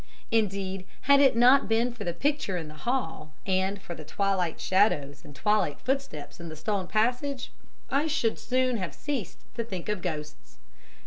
Indeed, had it not been for the picture in the hall, and for the twilight shadows and twilight footsteps in the stone passage, I should soon have ceased to think of ghosts.